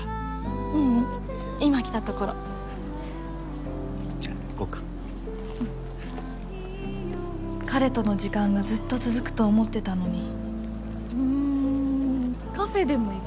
ううん今来たところじゃあ行こっかうん彼との時間がずっと続くと思ってたのにうんカフェでも行く？